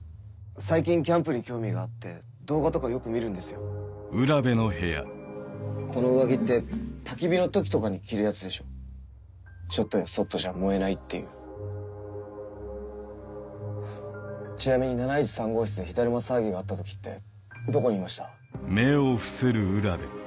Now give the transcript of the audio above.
最近キャンプに興味があって動画とかこの上着ってたき火の時とかに着るやちょっとやそっとじゃ燃えないっていちなみに７１３号室で火だるま騒ぎがあった時ってどこにいました？